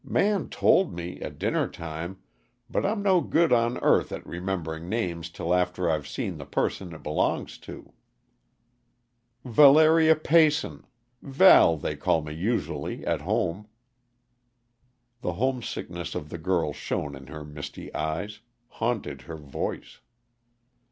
"Man told me, at dinner time, but I'm no good on earth at remembering names till after I've seen the person it belongs to." "Valeria Peyson Val, they call me usually, at home." The homesickness of the girl shone in her misty eyes, haunted her voice.